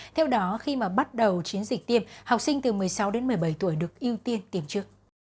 theo đó khi mà bắt đầu chiến dịch tiêm học sinh từ một mươi sáu đến một mươi bảy tuổi được ưu tiên tiêm trước